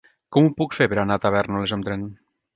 Com ho puc fer per anar a Tavèrnoles amb tren?